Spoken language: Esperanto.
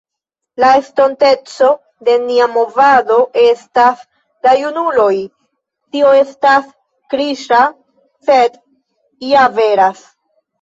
La estonteco de nia movado estas la junuloj, tio estas kliŝa sed ja veras.